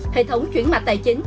hệ thống chuyển mạch tài chính